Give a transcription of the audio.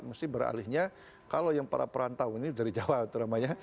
mesti beralihnya kalau yang para perantau ini dari jawa itu namanya